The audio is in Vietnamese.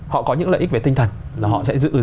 họ có những lợi ích về tinh thần họ sẽ